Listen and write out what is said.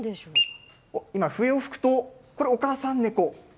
今、笛を吹くと、これ、お母さんネコ。